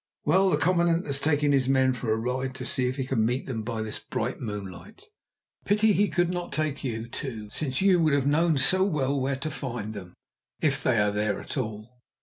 Well, the commandant has taken his men for a ride to see if he can meet them by this bright moonlight. Pity he could not take you, too, since you would have known so well where to find them, if they are there at all.